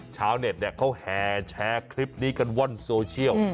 ชาวเน็ตเขาแห่แชร์คลิปนี้กันว่อนโซเชียล